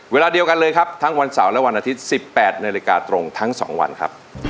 เวลาเดียวกันเลยครับทั้งวันเสาร์และวันอาทิตย์๑๘นาฬิกาตรงทั้ง๒วันครับ